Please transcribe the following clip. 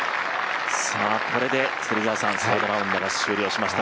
これでサードラウンドが終了しました。